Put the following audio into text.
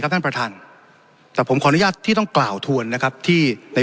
ท่านประธานแต่ผมขออนุญาตที่ต้องกล่าวทวนนะครับที่ใน